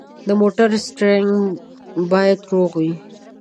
د موټر سټیرینګ باید روغ وي.